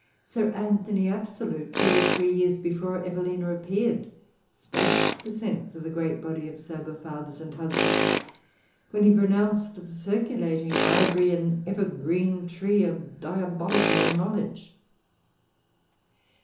Sir Anthony Absolute, two or three years before Evelina appeared, spoke the sense of the great body of sober fathers and husbands when he pronounced the circulating library an evergreen tree of diabolical knowledge.